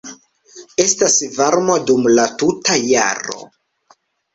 Estas varmo dum la tuta jaro.